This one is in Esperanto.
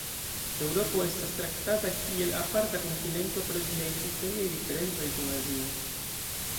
Eŭropo estas traktata kiel aparta kontinento pro ĝiaj historiaj diferencoj kun Azio.